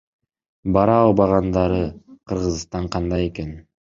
Бара албагандары Кыргызстан кандай экен?